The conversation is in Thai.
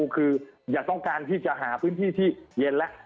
คืออย่าต้องการที่จะหาพื้นที่ที่เย็นแล้ว